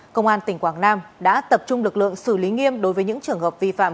công an tỉnh quảng nam đã tập trung lực lượng xử lý nghiêm đối với những trường hợp vi phạm